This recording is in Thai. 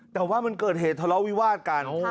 แต่ว่ามันเกิดเหตุทะเลาะวิวาดกัน